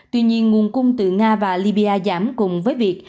tuy nhiên nguồn cung từ nga và libya giảm cùng với việc